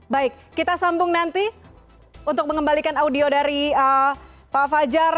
baik kita sambung nanti untuk mengembalikan audio dari pak fajar